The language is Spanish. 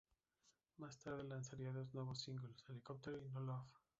Más tarde lanzaría dos nuevos singles "Helicopter" y "No Love".